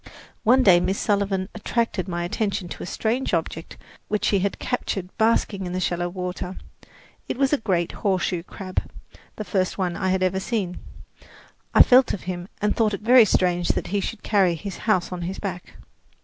One day Miss Sullivan attracted my attention to a strange object which she had captured basking in the shallow water. It was a great horseshoe crab the first one I had ever seen. I felt of him and thought it very strange that he should carry his house on his back.